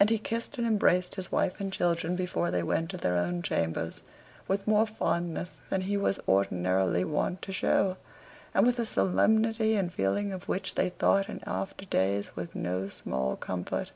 And he kissed and embraced his wife and children before they went to their own chambers with more fondness than he was ordinarily wont to show, and with a solemnity and feeling of which they thought in after days with no small comfort.